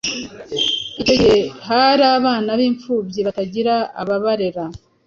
Icyo gihe hari abana b’imfubyi batagira ababarera